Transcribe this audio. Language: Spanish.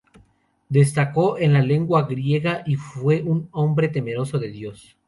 Destacó en la lengua griega y fue un hombre temeroso de Dios.